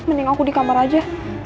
mending aku di kamar aja